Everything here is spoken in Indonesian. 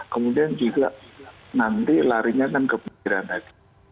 kemudian jika nanti larinya ke penjaraan lagi